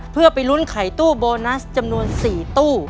เพื่อไปลุ้นไขตู้โบนัสจำนวน๔ตู้